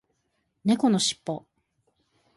猫のしっぽ